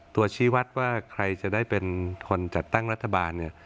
ชีวัตรว่าใครจะได้เป็นคนจัดตั้งรัฐบาลเนี่ย